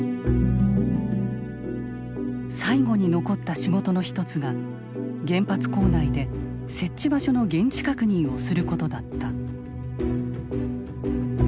最後に残った仕事の一つが原発構内で設置場所の現地確認をすることだった。